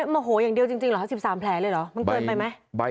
โมโหอย่างเดียวจริงเหรอคะ๑๓แผลเลยเหรอมันเกินไปไหม